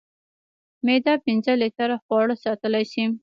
معده پنځه لیټره خواړه ساتلی شي.